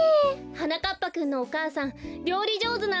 はなかっぱくんのお母さんりょうりじょうずなんですね。